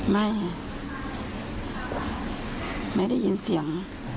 ไม่ไม่ได้ยินเสียง